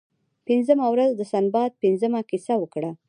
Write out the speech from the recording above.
پنځمه ورځ سنباد پنځمه کیسه وکړه.